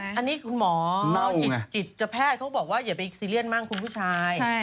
แต่อันนี้คุณหมอน่าวไงจิตจะแพร่เค้าบอกว่าอย่าไปซีเรียนบ้างคุณผู้ชาย